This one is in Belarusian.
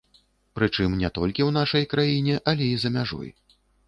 Прычым не толькі ў нашай краіне, але і за мяжой.